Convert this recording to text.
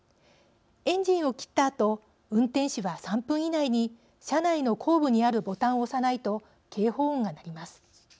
エンジンを切ったあと運転士は３分以内に車内の後部にあるボタンを押さないと警報音が鳴ります。